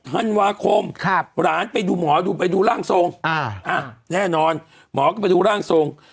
ธันวาคมหลานไปดูหมอดูไปดูร่างทรงแน่นอนหมอก็ไปดูร่างทรง